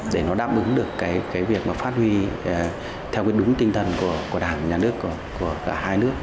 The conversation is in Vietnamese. để đáp ứng được việc phát huy theo đúng tinh thần của đảng nhà nước của cả hai nước